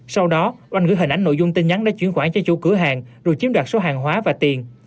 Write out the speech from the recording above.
sau đó oanh gửi hình ảnh nội dung tin nhắn để chuyển khoản cho chủ cửa hàng rồi chiếm đoạt số hàng hóa và tiền